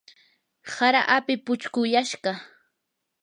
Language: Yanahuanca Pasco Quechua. hara api puchquyashqa.